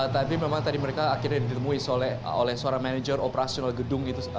tapi memang tadi mereka akhirnya ditemui oleh seorang manajer operasional gedung gitu